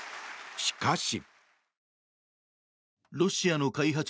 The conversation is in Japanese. しかし。